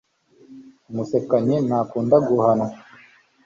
umusekanyi ntakunda guhanwa